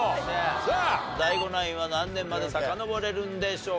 さあＤＡＩＧＯナインは何年までさかのぼれるんでしょうか？